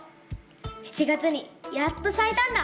７月にやっとさいたんだ！